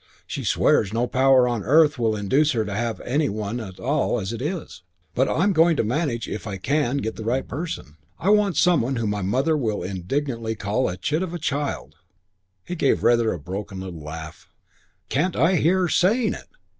She swears no power on earth will induce her to have any one at all as it is. But I'm going to manage it if I can get the right person. I want some one who my mother will indignantly call a chit of a child" he gave rather a broken little laugh "can't I hear her saying it!